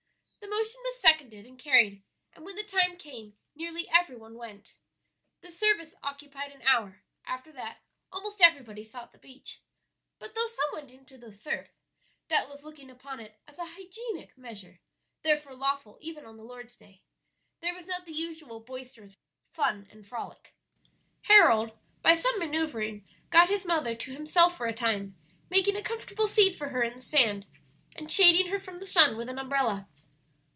The motion was seconded and carried, and when the time came nearly every one went. The service occupied an hour; after that almost everybody sought the beach; but though some went into the surf doubtless looking upon it as a hygienic measure, therefore lawful even on the Lord's day there was not the usual boisterous fun and frolic. Harold, by some manoeuvring, got his mother to himself for a time, making a comfortable seat for her in the sand, and shading her from the sun with an umbrella.